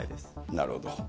なるほど。